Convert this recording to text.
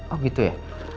oh gitu ya